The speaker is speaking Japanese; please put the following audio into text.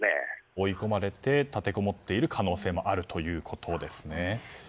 追い込まれて立てこもっている可能性もあるということですね。